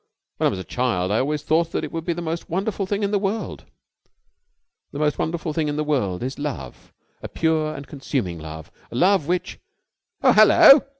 "When I was a child I always thought that that would be the most wonderful thing in the world." "The most wonderful thing in the world is love, a pure and consuming love, a love which...." "Oh, hello!"